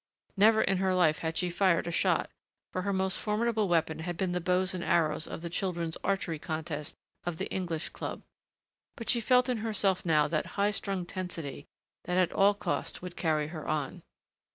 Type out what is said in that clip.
Never in her life had she fired a shot, for her most formidable weapon had been the bows and arrows of the Children's Archery Contest of the English Club, but she felt in herself now that highstrung tensity which at all cost would carry her on.